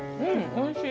おいしい。